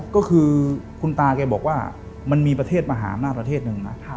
ก็คือคุณตาแกบอกว่ามันมีประเทศมหาอำนาจประเทศหนึ่งนะ